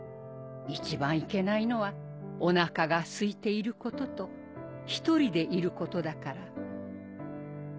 一番いけないのはお腹がすいていることと１人でいることだから。